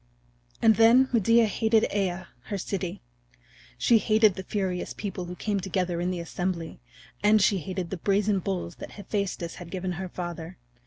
And then Medea hated Aea, her city. She hated the furious people who came together in the assembly, and she hated the brazen bulls that Hephaestus had given her father.